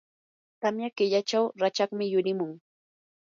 tamya killachaw rachakmi yurimun.